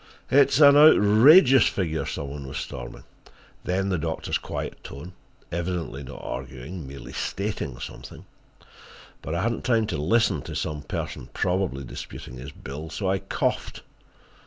"It is an outrageous figure," some one was storming. Then the doctor's quiet tone, evidently not arguing, merely stating something. But I had not time to listen to some person probably disputing his bill, so I coughed.